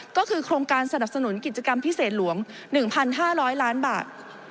ก็คือโครงการสนับสนุนกิจกรรมพิเศษหลวง๑๕๐๐ล้านบาท